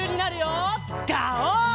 ガオー！